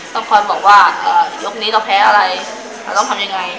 ต้องคอยบอกว่ายกนี้เราแพ้อะไรเราต้องทำยังไง